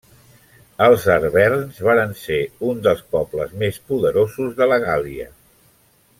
Els arverns varen ser un dels pobles més poderosos de la Gàl·lia.